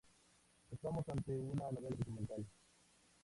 Estamos ante una novela documental.